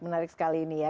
menarik sekali ini ya